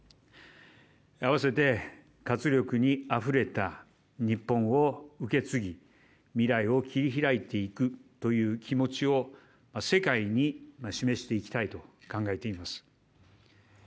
併せて、活力にあふれた日本を受け継ぎ未来を切り開いていくという気持ちを世界に示していきたいと考えています。